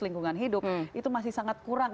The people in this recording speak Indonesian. lingkungan hidup itu masih sangat kurang